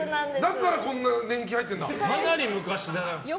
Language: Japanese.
だからこんなに年季入ってるんだ。